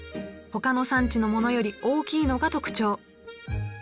ほかの産地のものより大きいのが特徴。